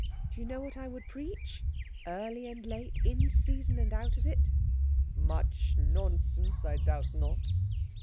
Do you know what I would preach? Early and late? In season and out of it?" "Much nonsense, I doubt not."